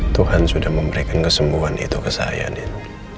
tuhan sudah memberikan kesembuhan itu ke saya nih